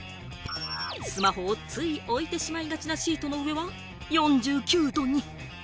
スマホをつい置いてしまいがちなシートの上は４９度に。